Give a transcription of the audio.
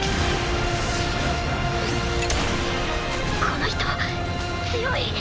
この人強い。